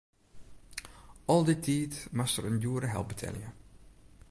Al dy tiid moast er in djoere help betelje.